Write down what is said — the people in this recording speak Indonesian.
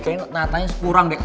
kayaknya ternyata yang kurang deh